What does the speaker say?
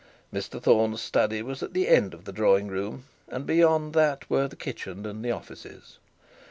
Mr Thorne's study was at the end of the drawing room, and beyond that were the kitchen and the offices.